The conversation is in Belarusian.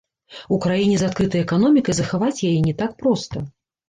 У краіне з адкрытай эканомікай захаваць яе не так проста.